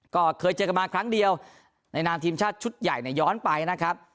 ก็เคยเจอกันมาครั้งเดียวในนามทีมชาติชุดใหญ่เนี่ยย้อนไปนะครับ